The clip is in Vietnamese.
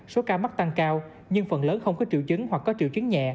số ca mắc tăng cao nhưng phần lớn không có triệu chứng hoặc có triệu chứng nhẹ